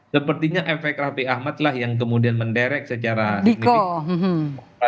sepertinya efek raffi ahmad lah yang kemudian menderek secara medis